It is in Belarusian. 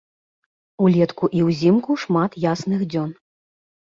Улетку і ўзімку шмат ясных дзён.